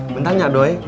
bentar ya doi